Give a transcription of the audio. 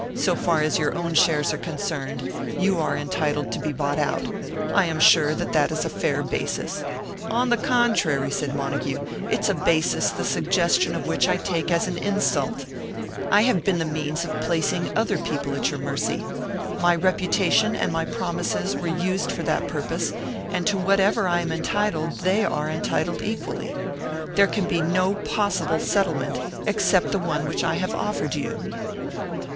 "So far as your own shares are concerned, you are entitled to be bought out. I am sure that that is a fair basis " "On the contrary," said Montague, "it's a basis the suggestion of which I take as an insult. I have been the means of placing other people at your mercy. My reputation and my promises were used for that purpose, and to whatever I am entitled, they are entitled equally. There can be no possible settlement except the one which I have offered you."